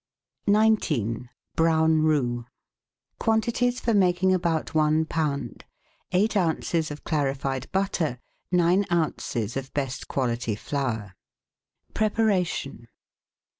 19— BROWN ROUX Quantities for making about One lb. — Eight oz. of clarified butter, nine oz. of best quality flour. Preparation.